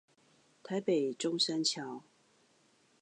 台北中山橋